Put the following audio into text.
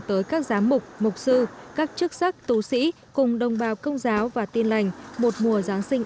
tới các giám mục mục sư các chức sắc tù sĩ cùng đồng bào công giáo và tin lành một mùa giáng sinh